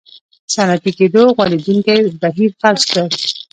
صنعتي کېدو غوړېدونکی بهیر فلج کړل.